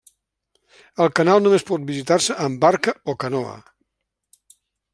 El canal només pot visitar-se amb barca o canoa.